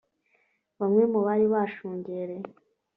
Bamwe mu bari bashungereye